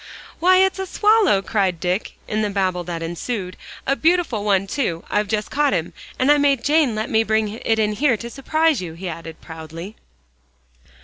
"Why, it's a swallow," cried Dick, in the babel that ensued, "a beautiful one, too. I've just caught him, and I made Jane let me bring it in here to surprise you," he added proudly.